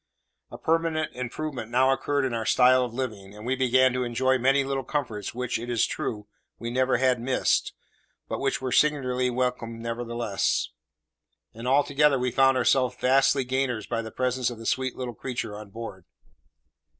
A permanent improvement now occurred in our style of living, and we began to enjoy many little comforts which, it is true, we never had missed, but which were singularly welcome nevertheless; and altogether we found ourselves vastly gainers by the presence of the sweet little creature on board.